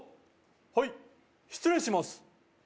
「はい失礼します」